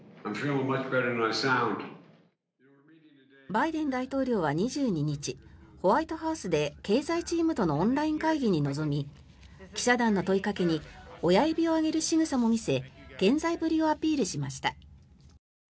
バイデン大統領は２２日ホワイトハウスで経済チームとのオンライン会議に臨み記者団の問いかけに親指を上げるしぐさも見せ健在ぶりをアピールしました。